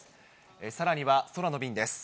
さらには空の便です。